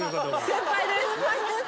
先輩です。